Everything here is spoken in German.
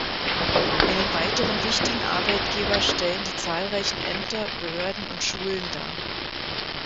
Einen weiteren wichtigen Arbeitgeber stellen die zahlreichen Ämter, Behörden und Schulen dar.